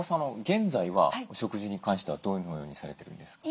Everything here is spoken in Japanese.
現在はお食事に関してはどのようにされてるんですか？